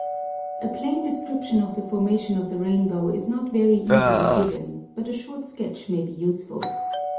A plain description of the formation of the rainbow is not very easily given, but a short sketch may be useful.